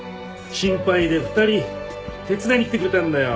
心配で２人手伝いに来てくれたんだよ。